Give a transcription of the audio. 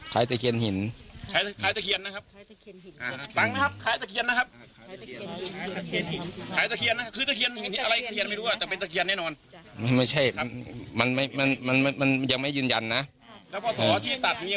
คล้ายตะเคียนหินคล้ายตะเคียนนะครับตังนะครับคล้ายตะเคียนนะครับ